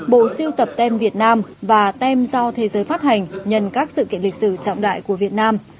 bộ siêu tập tem việt nam và tem do thế giới phát hành nhân các sự kiện lịch sử trọng đại của việt nam